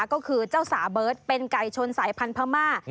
ก็คือเจ้าสาเบิร์ตเป็นไก่ชนสายพันธม่า